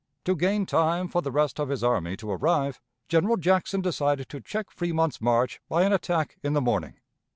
To gain time for the rest of his army to arrive, General Jackson decided to check Fremont's march by an attack in the morning.